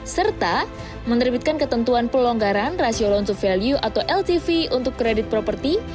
serta menerbitkan ketentuan pelonggaran rasiolo untuk value atau ltv untuk kredit properti